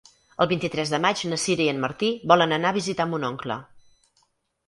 El vint-i-tres de maig na Sira i en Martí volen anar a visitar mon oncle.